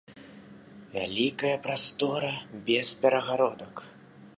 Вялікая прастора без перагародак.